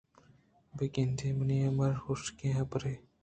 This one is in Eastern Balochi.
بہ گندے منی حبر حُشکیں حبرے